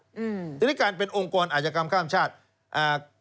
อืมทีนี้การเป็นองค์กรอาจกรรมข้ามชาติอ่า